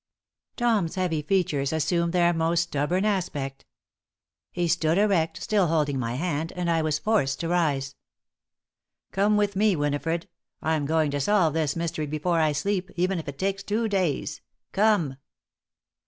Tom's heavy features assumed their most stubborn aspect. He stood erect, still holding my hand, and I was forced to rise. "Come with me, Winifred. I'm going to solve this mystery before I sleep, even if it takes two days. Come!"